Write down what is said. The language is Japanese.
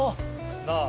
なあ。